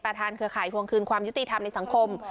ประธานเกือบขายควงคืนความยุติธรรมในสังคม